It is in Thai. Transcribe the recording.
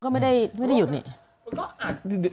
ก็ไม่ได้หยุดไป